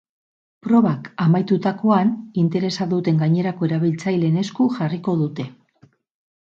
Probak amaitutakoan, interesa duten gainerako erabiltzaileen esku jarriko dute.